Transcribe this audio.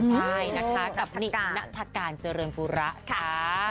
ใช่นะคะกับนิกนัฐการเจริญปุระค่ะ